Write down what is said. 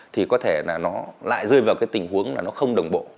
thì có thể là nó lại rơi vào cái tình huống là nó không đồng bộ